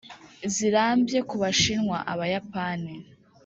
zirambye ku bashinwa, abayapani,